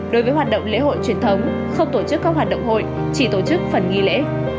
đối với hoạt động lễ hội truyền thống không tổ chức các hoạt động hội chỉ tổ chức phần nghi lễ